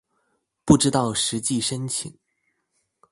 不知道實際申請